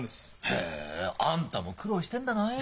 へえあんたも苦労してんだない。